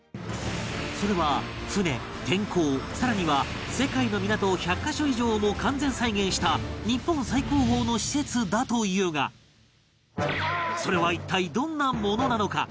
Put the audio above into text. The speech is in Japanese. それは船天候更には世界の港を１００カ所以上も完全再現した日本最高峰の施設だというがそれは一体どんなものなのか？